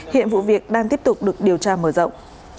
hiện vụ việc đang tiếp tục được điều tra mở rộng